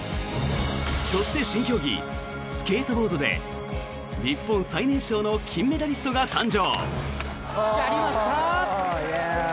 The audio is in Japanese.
そして、新競技スケートボードで日本最年少の金メダリストが誕生。